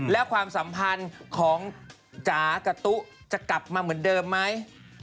แล้วความสัมพันธ์ของจ๋ากับตุ๊จะกลับมาเหมือนเดิมไหม